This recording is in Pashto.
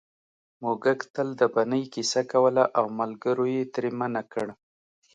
موږک تل د بنۍ کیسه کوله او ملګرو یې ترې منع کړ